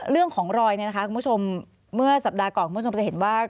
เรื่องของรอยเนี่ยนะคะคุณผู้ชมเมื่อสัปดาห์ก่อนคุณผู้ชมจะเห็นว่า